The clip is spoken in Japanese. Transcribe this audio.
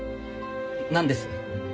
何です？